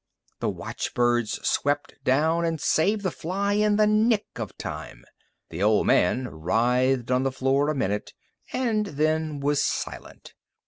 The watchbirds swept down and saved the fly in the nick of time. The old man writhed on the floor a minute and then was silent.